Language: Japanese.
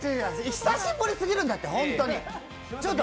久しぶりすぎるんだって、ホントに。